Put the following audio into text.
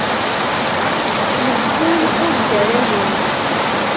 Lefḥul ur ddarayen.